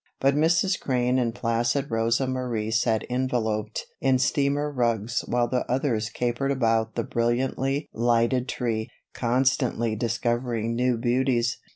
But Mrs. Crane and placid Rosa Marie sat enveloped in steamer rugs while the others capered about the brilliantly lighted tree, constantly discovering new beauties.